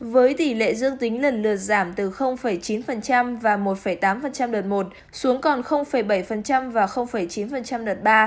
với tỷ lệ dương tính lần lượt giảm từ chín và một tám đợt một xuống còn bảy và chín đợt ba